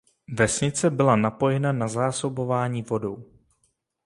Vesnice byla napojena na zásobování vodou.